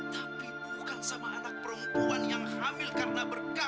tapi bukan sama anak perempuan yang hamil karena berkah